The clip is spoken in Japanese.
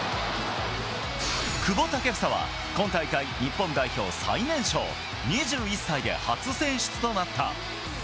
久保建英は、今大会日本代表最年少、２１歳で初選出となった。